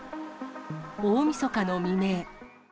大みそかの未明。